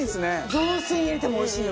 雑炊に入れてもおいしいよ